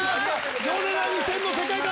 ヨネダ２０００の世界観